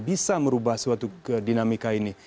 bisa merubah suatu dinamika ini